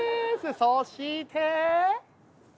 そして！